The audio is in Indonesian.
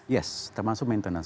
yes termasuk maintenance